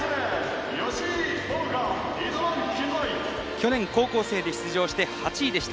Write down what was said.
去年高校生で出場して８位でした。